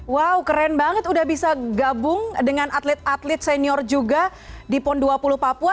wow keren banget udah bisa gabung dengan atlet atlet senior juga di pon dua puluh papua